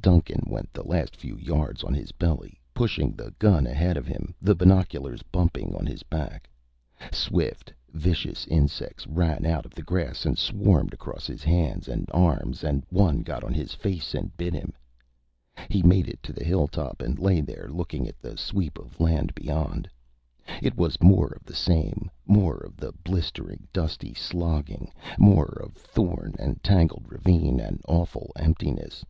Duncan went the last few yards on his belly, pushing the gun ahead of him, the binoculars bumping on his back. Swift, vicious insects ran out of the grass and swarmed across his hands and arms and one got on his face and bit him. He made it to the hilltop and lay there, looking at the sweep of land beyond. It was more of the same, more of the blistering, dusty slogging, more of thorn and tangled ravine and awful emptiness.